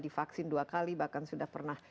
divaksin dua kali bahkan sudah pernah